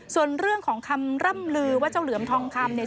ส่วนเรื่องของคำร่ำลือว่าเจ้าเหลือมทองคำเนี่ย